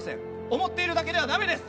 思っているだけではだめです。